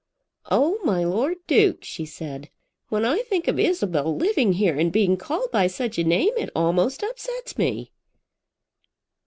"Oh, my Lord Duke," she said, "when I think of Isabel living here and being called by such a name, it almost upsets me."